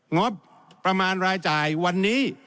งบประมาณรายจ่ายวันนี้